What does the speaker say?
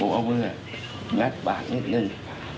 ผมเอามืองัดบากนิดหนึ่ง